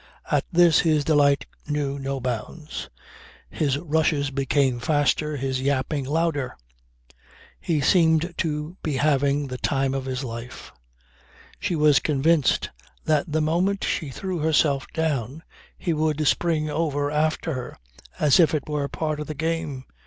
At this his delight knew no bounds; his rushes became faster, his yapping louder; he seemed to be having the time of his life. She was convinced that the moment she threw herself down he would spring over after her as if it were part of the game.